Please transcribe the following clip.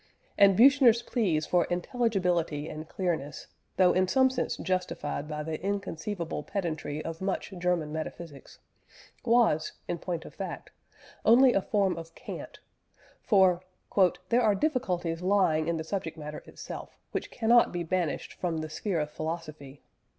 And Büchner's pleas for intelligibility and clearness, though in some sense justified by the inconceivable pedantry of much German metaphysics, was, in point of fact, only a form of cant; for "there are difficulties lying in the subject matter itself which cannot be banished from the sphere of philosophy."